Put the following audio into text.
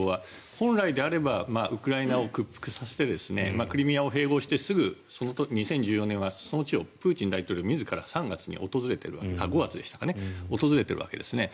本来であればウクライナを屈服させてクリミアを併合してすぐ２０１４年はその地をプーチン大統領が自ら５月に訪れているわけですね。